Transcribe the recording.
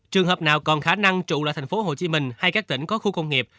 trường hợp nào còn khả năng trụ lại thành phố hồ chí minh hay các tỉnh có khu công nghiệp